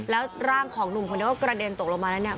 แล้วร่างของหนุ่มคนนี้ก็กระเด็นตกลงมาแล้วเนี่ย